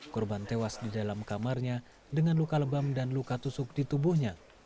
korban tewas di dalam kamarnya dengan luka lebam dan luka tusuk di tubuhnya